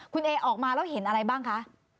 คุณเอออกมาแล้วเห็นอะไรบ้างคะ